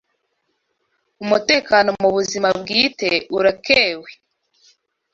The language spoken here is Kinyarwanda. umutekano mu buzima bwite urakewe